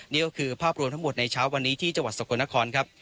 นี่ก็คือภาพรวมทั้งหมดในเช้าวันนี้ที่จังหวัดสกลนครครับ